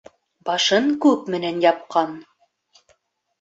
Башын күк менән япҡан.